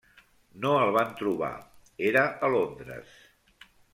No el van trobar, era a Londres.